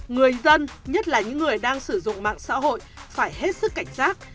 người dân nhất là những người đang sử dụng mạng xã hội phải hết sức cảnh giác